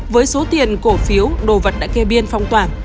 với số tiền cổ phiếu đồ vật đã kê biên phong tỏa